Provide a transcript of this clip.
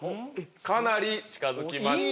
かなり近づきました。